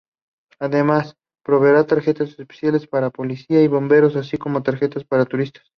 Además, proveerá tarjetas especiales para policías y bomberos así como tarjetas para turistas.